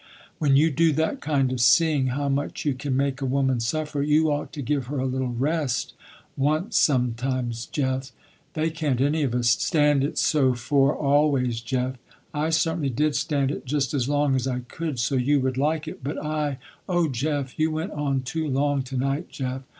When you do that kind of seeing how much you can make a woman suffer, you ought to give her a little rest, once sometimes, Jeff. They can't any of us stand it so for always, Jeff. I certainly did stand it just as long as I could, so you would like it, but I, oh Jeff, you went on too long to night Jeff.